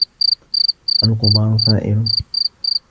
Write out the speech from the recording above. الْغُبَارُ ثَائِرٌ.